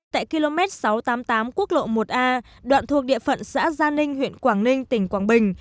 tại km sáu trăm tám mươi tám quốc lộ một a đoạn thuộc địa phận xã gia ninh huyện quảng ninh tỉnh quảng bình